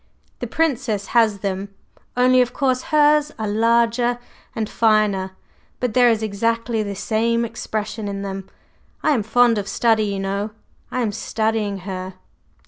The Princess has them only, of course, hers are larger and finer; but there is exactly the same expression in them. I am fond of study, you know; I am studying her.